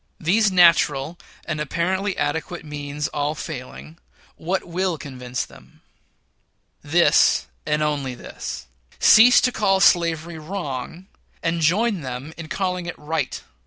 These natural and apparently adequate means all failing, what will convince them? This, and this only: cease to call slavery wrong, and join them in calling it right.